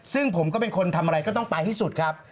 ซึ่งผมก็เป็นคนทำอะไรก็ต้องไปให้สุดครับ